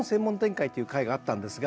回という回があったんですが。